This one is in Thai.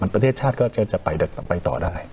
ประเทศชาติก็จะไปต่อได้